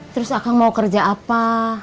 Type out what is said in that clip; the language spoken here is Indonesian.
terus akan mau kerja apa